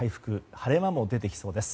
晴れ間も出てきそうです。